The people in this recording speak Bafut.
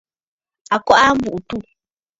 A kɔʼɔ aa a mbùʼû àtû.